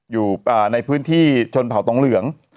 อยู่ในพื้นที่ชนเผาตองเหลือง